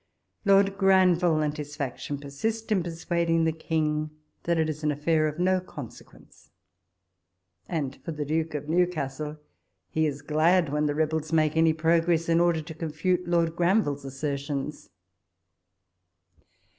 Lord Granville and his faction persist in persuading the King, that it is an affair of no consequence ; and for the Duke of Newcastle, he is glad when the rebels make any progress, in order to confute Lord Gran ville's assertions.